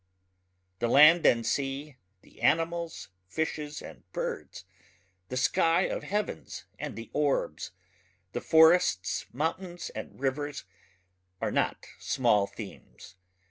The land and sea, the animals fishes and birds, the sky of heavens and the orbs, the forests mountains and rivers, are not small themes